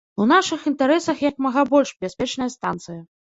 У нашых інтарэсах як мага больш бяспечная станцыя.